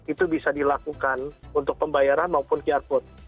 itu bisa dilakukan untuk pembayaran maupun qr code